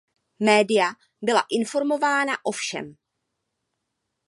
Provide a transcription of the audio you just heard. Média byla informována o všem.